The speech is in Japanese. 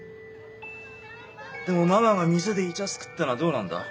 でもママが店でいちゃつくってのはどうなんだ？